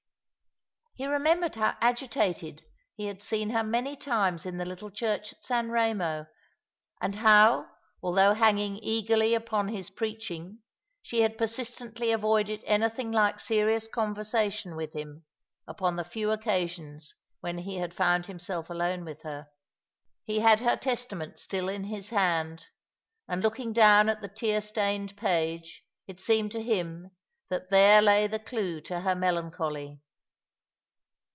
He remembered how agitated he had seen her many times in the little church at San Eemo, and how, although hanging eagerly upon his preaching, she had persistently avoided anything like serious conversation with him upon the few occasions when he had found himself alone with her. i He had her Testament still in his hand, and looking down at the tear stained page it seemed to him that there lay the clue to her melancholy.